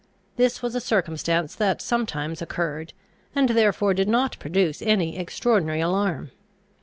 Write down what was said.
This was a circumstance that sometimes occurred, and therefore did not produce any extraordinary alarm.